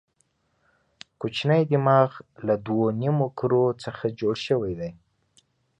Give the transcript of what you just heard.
کوچنی دماغ له دوو نیمو کرو څخه جوړ شوی دی.